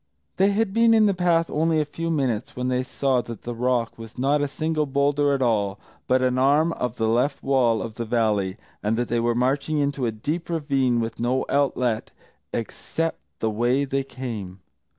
They had been in the path only a few minutes when they saw that the rock was not a single boulder at all, but an arm of the left wall of the valley, and that they were marching into a deep ravine with no outlet except the way they came.